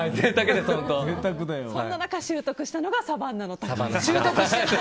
そんな中、習得したのがサバンナの高橋さん。